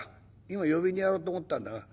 今呼びにやろうと思ったんだが。